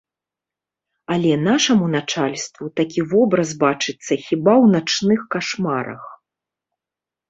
Але нашаму начальству такі вобраз бачыцца хіба ў начных кашмарах.